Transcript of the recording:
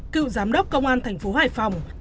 cựu giám đốc công an thành phố hải phòng